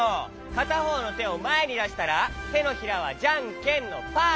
かたほうのてをまえにだしたらてのひらはじゃんけんのパー。